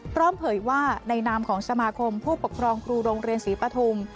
เผยว่าในนามของสมาคมผู้ปกครองครูโรงเรียนศรีปฐุม